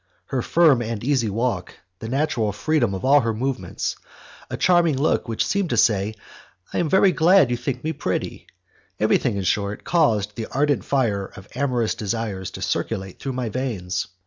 Her firm and easy walk, the natural freedom of all her movements, a charming look which seemed to say, "I am very glad that you think me pretty," everything, in short, caused the ardent fire of amorous desires to circulate through my veins.